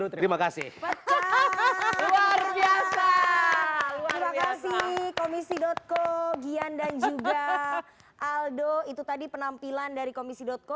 the world biasa luar biasa komisi co gyan dan juga aldo itu tadi penampilan dari komisi co